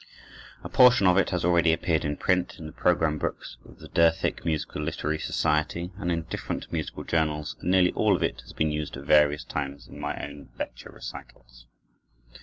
A portion of it has already appeared in print in the program books of the Derthick Musical Literary Society and in different musical journals; and nearly all of it has been used at various times in my own Lecture Recitals.